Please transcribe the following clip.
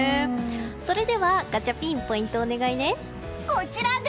それではガチャピンポイントをお願いね。